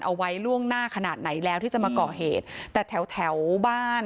เอาไว้ล่วงหน้าขนาดไหนแล้วที่จะมาก่อเหตุแต่แถวแถวบ้าน